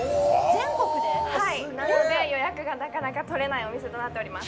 はいなので予約がなかなか取れないお店となっております